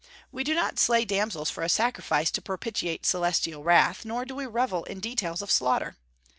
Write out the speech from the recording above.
We do not slay damsels for a sacrifice to propitiate celestial wrath; nor do we revel in details of slaughter.